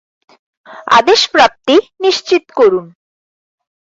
আদেশ প্রাপ্তি নিশ্চিত করুন।